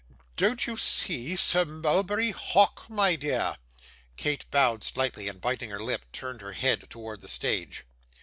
'Don't you see Sir Mulberry Hawk, my dear?' Kate bowed slightly, and biting her lip turned her head towards the stage.